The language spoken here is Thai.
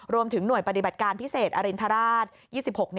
รวมถึงหน่วยปฏิบัติการพิเศษอรินทราช๒๖